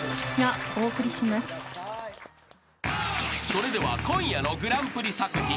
［それでは今夜のグランプリ作品］